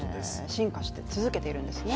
進化し続けているんですね。